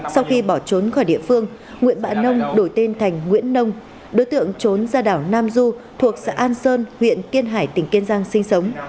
sau khi bỏ trốn khỏi địa phương nguyễn bá nông đổi tên thành nguyễn nông đối tượng trốn ra đảo nam du thuộc xã an sơn huyện kiên hải tỉnh kiên giang sinh sống